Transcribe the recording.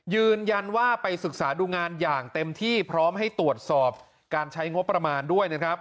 ยืนยันว่าไปศึกษาดูงานอย่างเต็มที่พร้อมให้ตรวจสอบการใช้งบประมาณด้วยนะครับ